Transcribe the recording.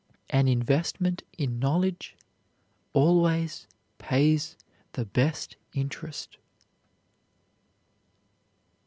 An investment in knowledge always pays the best interest."